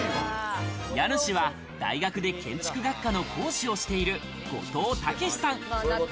家主は大学で建築学科の講師をしている後藤武さん。